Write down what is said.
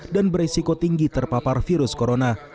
dan beresiko tinggi terpapar virus corona